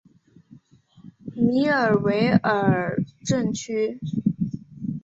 米尔维尔镇区。